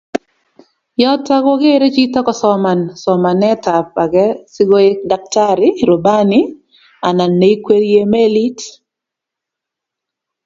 Yoto kogeere chito kosoman somanetab age si koek daktari, rubani anan ne ikwerie melit.